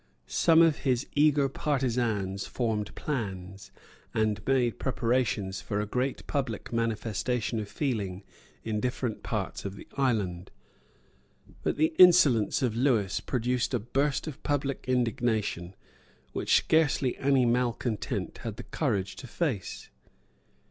Some of his eager partisans formed plans and made preparations for a great public manifestation of feeling in different parts of the island. But the insolence of Lewis produced a burst of public indignation which scarcely any malecontent had the courage to face.